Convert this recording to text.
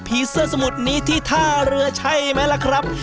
เสื้อสมุดนี้ที่ท่าเรือใช่ไหมล่ะครับ